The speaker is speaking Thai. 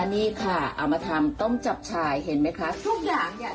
นี่ค่ะเอามาทำต้มจับชายเห็นไหมคะทุกอย่างอย่างง่ายหมดเลยค่ะ